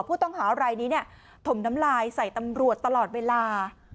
ผู้ต้องหารายนี้เนี่ยถมน้ำลายใส่ตำรวจตลอดเวลา